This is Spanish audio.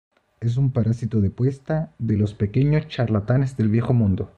Es un parásito de puesta de los pequeños charlatanes del Viejo Mundo.